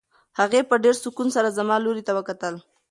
هغې په ډېر سکون سره زما لوري ته وکتل.